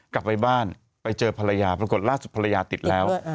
กลับไปบ้านไปเจอภรรยาปรากฏล่าสุดภรรยาติดแล้ว